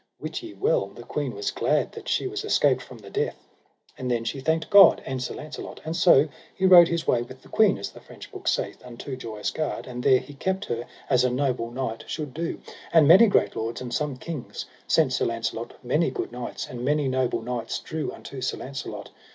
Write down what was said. Wit you well the queen was glad that she was escaped from the death. And then she thanked God and Sir Launcelot; and so he rode his way with the queen, as the French book saith, unto Joyous Gard, and there he kept her as a noble knight should do; and many great lords and some kings sent Sir Launcelot many good knights, and many noble knights drew unto Sir Launcelot.